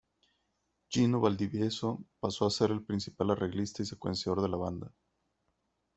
Gino Valdivieso pasó a ser el principal arreglista y secuenciador de la banda.